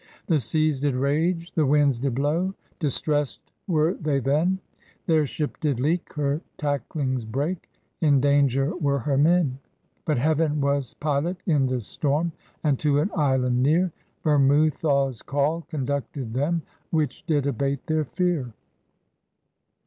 ... The Seas did rage, the windes did blowe, Distressed were they then; Their shippe did leake, her taddings breake, In daunger were her men; But heaven was pylotte in this storme. And to au Hand neare, Bermoothawes called, conducted them, Which did abate their feare.